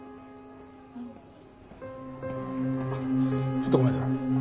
ちょっとごめんなさい。